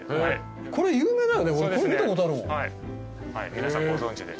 皆さんご存じで。